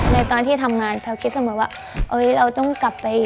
ในตอนที่ทำงานแพ้คิดสมมติว่า